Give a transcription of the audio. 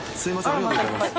ありがとうございます。